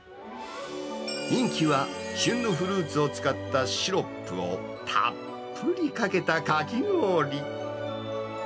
人気は旬のフルーツを使ったシロップをたっぷりかけたかき氷。